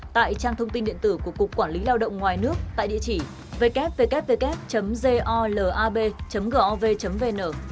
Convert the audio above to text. tại trang thông tin điện tử của cục quản lý lao động ngoài nước tại địa chỉ www golab gov vn